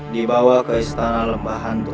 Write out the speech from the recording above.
dibawa ke istana lembah hantu